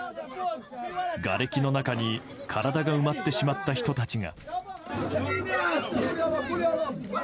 がれきの中に体が埋まってしまった人たちが。